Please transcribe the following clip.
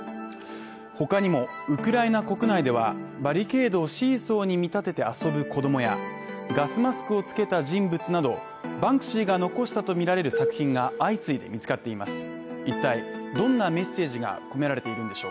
ほかにもウクライナ国内でバリケードをシーソーに見立てて遊ぶ子供や、ガスマスクをつけた人物などバンクシーが残したとみられる作品が相次いで見つかっています。